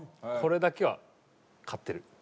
これだけは勝ってる。